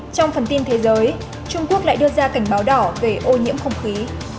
trong phần tin thế giới trung quốc lại đưa ra cảnh báo đỏ về ô nhiễm không khí